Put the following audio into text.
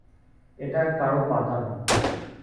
এটা কারো পাতানো।